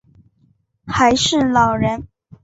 还是老人